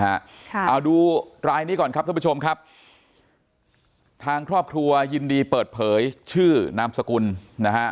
เอาดูรายนี้ก่อนครับท่านผู้ชมครับทางครอบครัวยินดีเปิดเผยชื่อนามสกุลนะฮะ